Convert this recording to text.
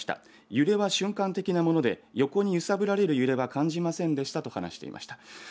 揺れは瞬間的なもので横に揺さぶられる揺れは感じませんでしたと話していました。